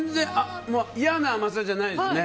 嫌な甘さじゃないですね。